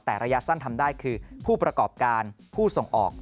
แต่ระยะสั้นทำได้คือผู้ประกอบการผู้ส่งออก